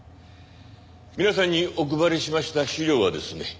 皆さんにお配りしました資料はですね